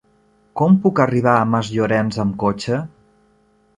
Com puc arribar a Masllorenç amb cotxe?